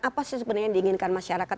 apa sih sebenarnya yang diinginkan masyarakat